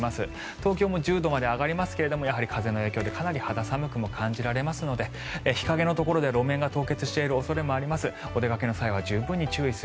東京も１０度まで上がりますがやはり風の影響でかなり肌寒くも感じられますので日陰のところでは路面が凍結している恐れもあります。